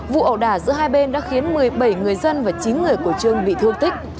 vụ ẩu đả giữa hai bên đã khiến một mươi bảy người dân và chín người của trương bị thương tích